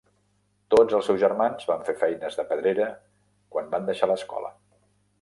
Tots els seus germans van fer feines de pedrera quan van deixar l'escola.